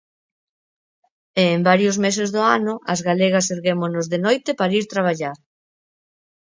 E en varios meses do ano as galegas erguémonos de noite para ir traballar.